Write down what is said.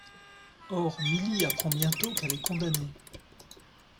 Or, Milly apprend bientôt qu'elle est condamnée.